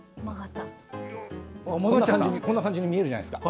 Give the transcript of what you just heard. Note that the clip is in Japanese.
こんな感じに見えるじゃないですか。